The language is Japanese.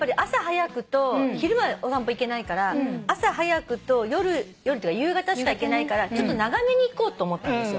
昼間お散歩行けないから朝早くと夕方しか行けないからちょっと長めに行こうと思ったんですよ。